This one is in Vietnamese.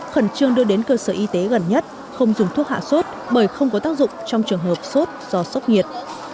khẩn trương đưa đến cơ sở y tế gần nhất không dùng thuốc hạ sốt bởi không có tác dụng trong trường hợp sốt do sốc nhiệt